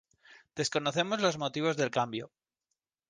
Desconocemos los motivos del cambio.